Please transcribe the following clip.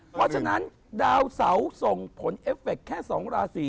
เพราะฉะนั้นดาวเสาส่งผลเอฟเฟคแค่๒ราศี